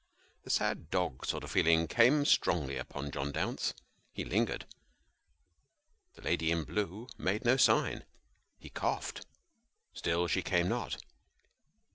The sad dog sort of feeling came strongly upon John Dounce : he lingered the lady in blue made no sign. He coughed still she came not.